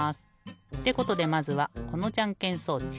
ってことでまずはこのじゃんけん装置。